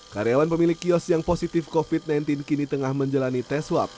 karyawan pemilik kios yang positif covid sembilan belas kini tengah menjalani tes swab